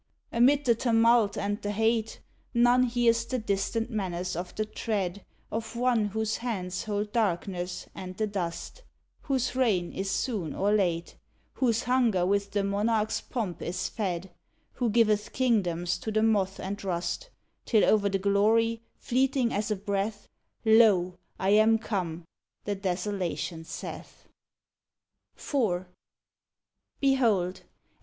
Amid the tumult and the hate, THE PANAMA PACIFIC EXPOSITION None hears the distant menace of the tread Of One whose hands hold darkness and the dust, Whose reign is soon or late, Whose hunger with the monarch s pomp is fed, Who giveth kingdoms to the moth and rust, Till o er the glory, fleeting as a breath, "Lo! I am come!" the Desolation saith. IV Behold